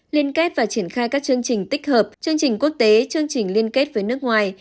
liên kết và triển khai các chương trình tích hợp chương trình quốc tế chương trình liên kết với nước ngoài